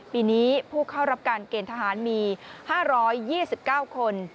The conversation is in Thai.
ปีนี้ผู้เข้ารับการเกณฑ์ทหารมีห้าร้อยยี่สิบเก้าคน